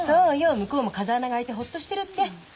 向こうも風穴が開いてホッとしてるって。